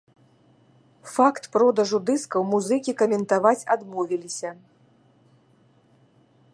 Факт продажу дыскаў музыкі каментаваць адмовілася.